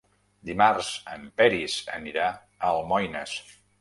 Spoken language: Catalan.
Dimarts en Peris anirà a Almoines.